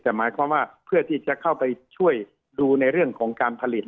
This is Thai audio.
แต่หมายความว่าเพื่อที่จะเข้าไปช่วยดูในเรื่องของการผลิต